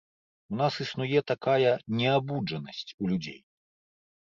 У нас існуе такая неабуджанасць у людзей.